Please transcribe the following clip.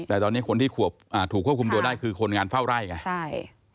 แต่ตอนนี้คนที่ถูกควบคุมตัวได้คือคนงานเฝ้าไล่ไง